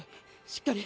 しっかり！